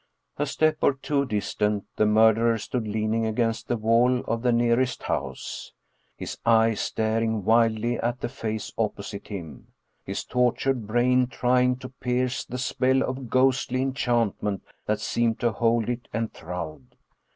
A step or two distant, the murderer stood leaning against the wall of the nearest house, his eyes staring wildly at the face op posite him; his tortured brain trying to pierce the spell of ghostly enchantment that seemed to hold it enthralled.